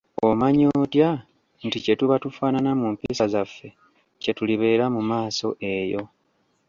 Omanya otya nti kyetuba tufaanana mu mpisa zaffe, kyetulibeera mumaaso eyo?